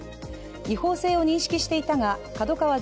違法性を認識していたがＫＡＤＯＫＡＷＡ